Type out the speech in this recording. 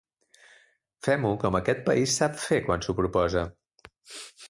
Fem-ho com aquest país sap fer quan s'ho proposa.